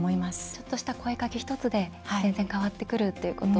ちょっとした声かけ１つで全然変わってくるということ。